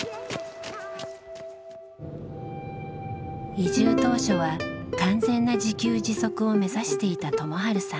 移住当初は完全な自給自足を目指していた友治さん。